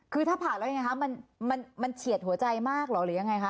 คือถ้าผ่านแล้วยังไงคะมันเฉียดหัวใจมากเหรอหรือยังไงคะ